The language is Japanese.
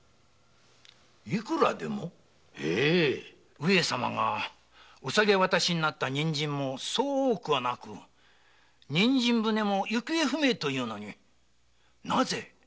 上様がお下げ渡しになった人参もそう多くはなく人参船も行方不明というのになぜ？